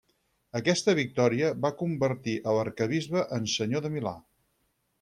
Aquesta victòria va convertir a l'arquebisbe en Senyor de Milà.